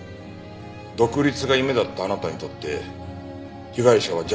独立が夢だったあなたにとって被害者は邪魔な存在だった。